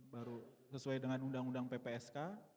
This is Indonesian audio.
baru sesuai dengan undang undang ppsk